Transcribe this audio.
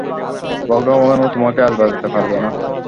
ভগবানও তোমাকে আজ বাঁচতে পারবে না!